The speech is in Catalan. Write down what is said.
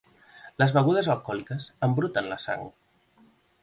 Les begudes alcohòliques embruten la sang.